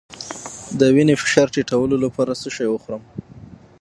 د وینې فشار ټیټولو لپاره څه شی وخورم؟